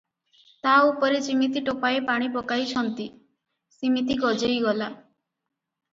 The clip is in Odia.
ତା ଉପରେ ଯିମିତି ଟୋପାଏ ପାଣି ପକାଇଛନ୍ତି, ସିମିତି ଗଜେଇ ଗଲା ।